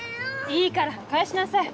いいから返しなさい